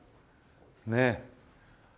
ねえ。